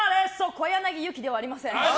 小柳ゆきではありません。